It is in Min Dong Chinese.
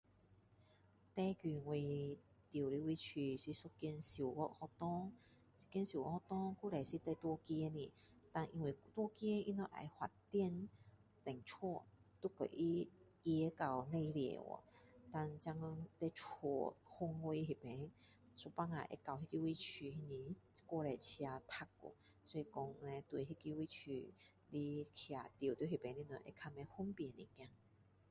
最近我住的位区是一间小学学校这间小学学校以前是在大路旁的然后因为路旁他们要发展店屋要跟它移到内里去然后现今在家去我那边有时候会到那个位区是不是太多车满去所以讲叻那个位区的车住在那边的人会较不方便一点